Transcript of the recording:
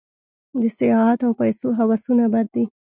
د سیاحت او پیسو هوسونه بد دي.